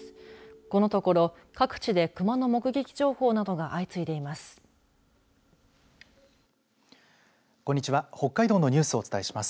このところ各地でクマの目撃情報などが相次いでいます。